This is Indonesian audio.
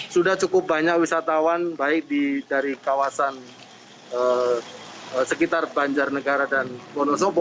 sudah cukup banyak wisatawan baik dari kawasan sekitar banjarnegara dan wonosobo